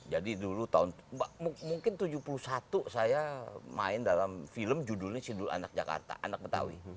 jadi dulu tahun mungkin seribu sembilan ratus tujuh puluh satu saya main dalam film judulnya sidul anak jakarta anak betawi